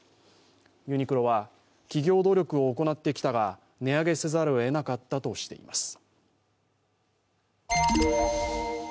ユニクロは、企業努力を行ってきたが値上げせざるをえなかったとしています。